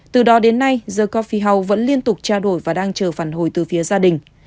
từ đó đến nay the corphie house vẫn liên tục trao đổi và đang chờ phản hồi từ phía gia đình